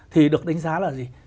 thì được đánh giá là gì